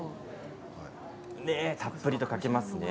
たっぷりとかけますね。